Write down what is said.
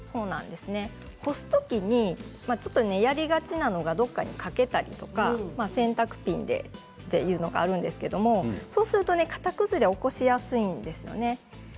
干す時にやりがちなのがどこかに掛けたりとか洗濯ピンでというのがあるんですが型崩れを起こしやすいんですね。